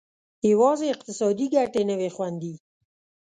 یوازې اقتصادي ګټې نه وې خوندي.